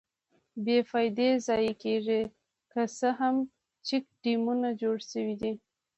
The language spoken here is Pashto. بې فایدې ضایع کېږي، که څه هم چیک ډیمونه جوړ شویدي.